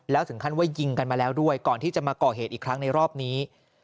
แล้วถึงขั้นว่ายิงกันมาแล้วด้วยก่อนที่จะมาก่อเหตุอีกครั้งในรอบนี้